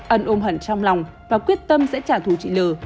ân ôm hẳn trong lòng và quyết tâm sẽ trả thù chị l